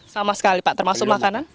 sama sekali pak termasuk makanan